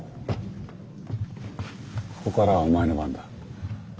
ここからはお前の番だ。